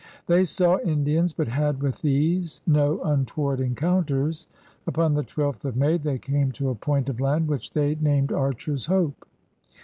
They saw Indians, but had with these no imtoward encoimters. Upon the twelfth of May they came to a point of land which they named Archer's Hope.